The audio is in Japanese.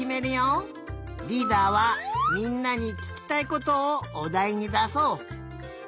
リーダーはみんなにききたいことをおだいにだそう。